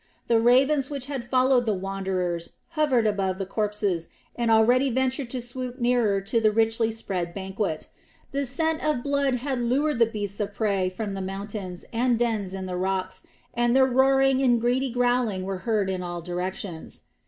The ravens which had followed the wanderers hovered above the corpses and already ventured to swoop nearer to the richly spread banquet. The scent of blood had lured the beasts of prey from the mountains and dens in the rocks and their roaring and greedy growling were heard in all directions.